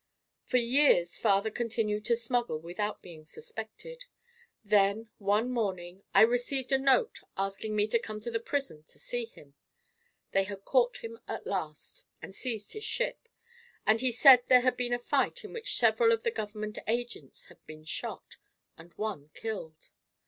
"For years father continued to smuggle without being suspected. Then one morning I received a note asking me to come to the prison to see him. They had caught him at last and seized his ship, and he said there had been a fight in which several of the government agents had been shot, and one killed.